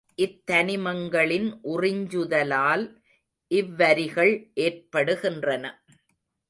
இத்தனிமங்களின் உறிஞ்சுதலால் இவ்வரிகள் ஏற்படுகின்றன.